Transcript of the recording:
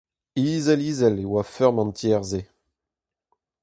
Izel-izel e oa feurm an tiez-se.